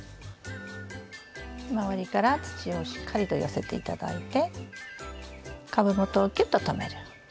周りから土をしっかりと寄せて頂いて株元をきゅっととめる。